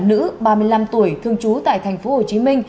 nữ ba mươi năm tuổi thương chú tại tp hcm